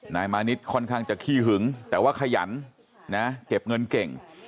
นายมานิดค่อนข้างจะขี้หึงแต่ว่าขยันนะเก็บเงินเก่ง